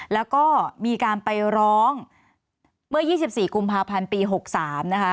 แล้วก็มีการไปร้องเมื่อ๒๔กุมภาพันธ์ปี๖๓นะคะ